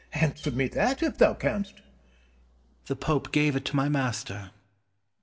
Answer me that, if thou canst. Cortez. The Pope gave it to my master. Penn.